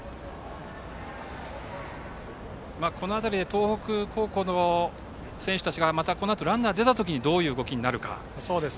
東北高校の選手たちがこのあとランナーが出た時にどういう動きになるか。